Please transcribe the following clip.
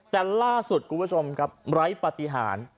แต่ล่าสุดคุณผู้ชมครับไร้ปฏิหาร